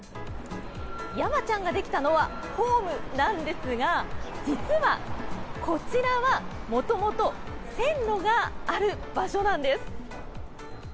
山ちゃんができたのはホームなんですが実はこちらはもともと線路がある場所なんです。